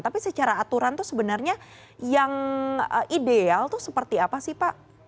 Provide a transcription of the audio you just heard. tapi secara aturan itu sebenarnya yang ideal itu seperti apa sih pak